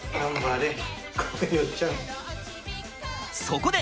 そこで！